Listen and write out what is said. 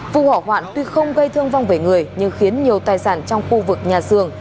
vụ hỏa hoạn tuy không gây thương vong về người nhưng khiến nhiều tài sản trong khu vực nhà xưởng